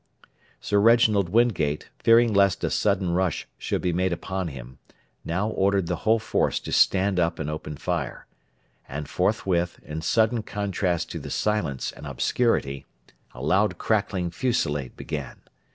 Sir Reginald Wingate, fearing lest a sudden rush should be made upon him, now ordered the whole force to stand up and open fire; and forthwith, in sudden contrast to the silence and obscurity, a loud crackling fusillade began.